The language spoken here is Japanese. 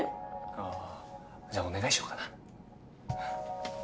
あぁじゃあお願いしようかな